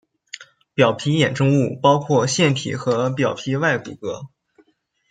表皮衍生物包括腺体和表皮外骨骼。